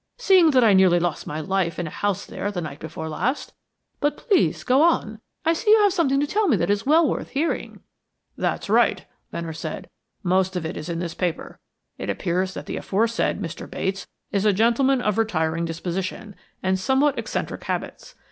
"Seeing that I nearly lost my life in a house there the night before last. But please go on. I see you have something to tell me that is well worth hearing." "That's right," Venner said. "Most of it is in this paper. It appears that the aforesaid Mr. Bates is a gentleman of retiring disposition, and somewhat eccentric habits.